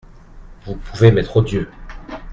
Vous pouvez m’être odieux !…